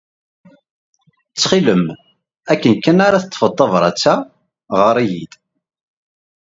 Ttxil-m, akken kan ara d-teḍḍfed tabṛat-a, ɣer-iyi-d.